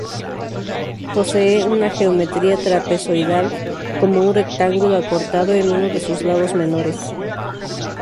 Posee una geometría trapezoidal, como un rectángulo acortado en uno de sus lados menores.